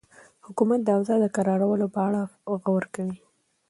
حکومت د اوضاع د کرارولو په اړه غور کوي.